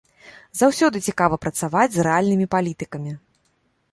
Заўсёды цікава працаваць з рэальнымі палітыкамі.